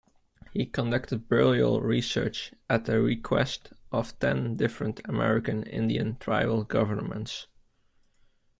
He conducted burial research at the request of ten different American Indian tribal governments.